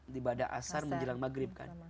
di badai asar menjelang maghrib kan